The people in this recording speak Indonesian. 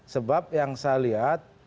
sebab yang saya lihat